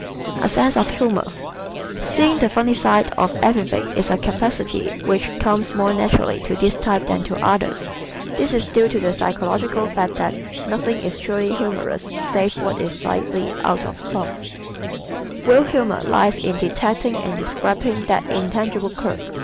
A Sense of Humor ¶ Seeing the funny side of everything is a capacity which comes more naturally to this type than to others. This is due to the psychological fact that nothing is truly humorous save what is slightly "out of plumb." Real humor lies in detecting and describing that intangible quirk.